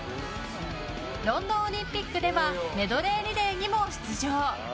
ロンドンオリンピックではメドレーリレーにも出場。